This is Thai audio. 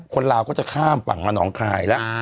คนเค้าจะข้ามฝั่งวับหนองคลายแล้วอ่า